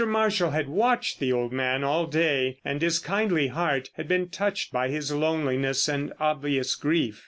Marshall had watched the old man all day, and his kindly heart had been touched by his loneliness and obvious grief.